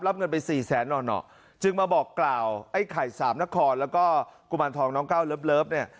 เงินไปสี่แสนหน่อจึงมาบอกกล่าวไอ้ไข่สามนครแล้วก็กุมารทองน้องก้าวเลิฟเนี่ย